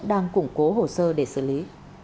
đang củng cố hồ sơ để xử lý